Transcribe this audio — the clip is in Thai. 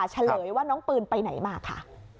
เฉลยว่าน้องปืนไปไหนมาค่ะ